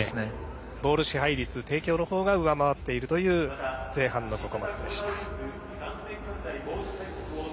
ボール支配率帝京のほうが上回っているという前半のここまででした。